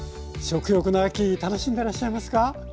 食欲の秋楽しんでらっしゃいますか？